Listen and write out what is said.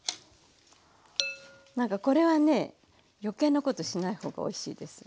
なんかこれはね余計なことしない方がおいしいです。